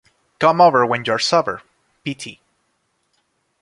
Come Over When You're Sober, Pt.